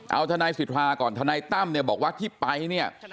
เอาทนายสิทธาก่อนทนายตั้มเนี่ยบอกว่าที่ไปเนี่ย